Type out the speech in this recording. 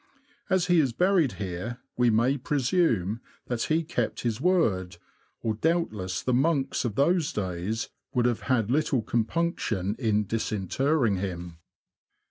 As he is buried here, we may presume that he kept his word, or doubtless the monks of those days would have had little compunction in disinterring him.